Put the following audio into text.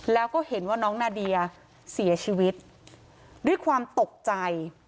แล้วก็เห็นว่าน้องนาเดียเสียชีวิตด้วยความตกใจ